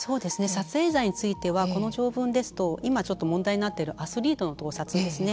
撮影罪についてはこの条文ですと今、問題になっているアスリートの盗撮ですね。